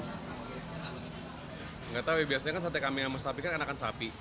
nggak tahu ya biasanya kan sate kambing yang bersapikan kan akan sapi